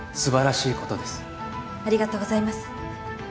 ありがとうございます。